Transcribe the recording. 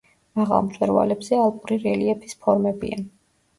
მაღალ მწვერვალებზე ალპური რელიეფის ფორმებია.